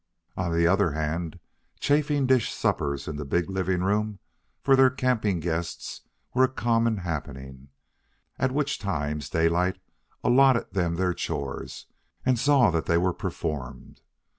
On the other hand, chafing dish suppers in the big living room for their camping guests were a common happening, at which times Daylight allotted them their chores and saw that they were performed.